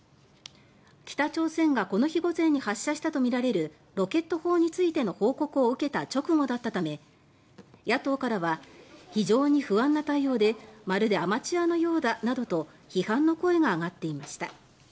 北朝鮮がこの日午前に発射したとみられるロケット砲についての報告を受けた直後だったため野党からは非常に不安な対応でまるでアマチュアのようだなどと批判の声が上がっていました。